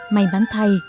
may mắn thay